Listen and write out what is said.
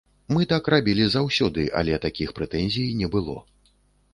Мы так рабілі заўсёды, але такіх прэтэнзій не было.